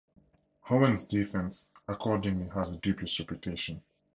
Owen's Defence accordingly has a dubious reputation.